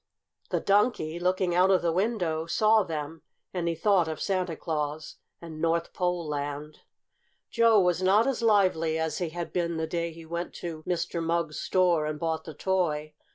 The Donkey, looking out of the window, saw them, and he thought of Santa Claus and North Pole Land. Joe was not as lively as he had been that day he went to Mr. Mugg's store and bought the toy.